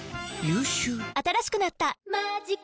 新しくなった「マジカ」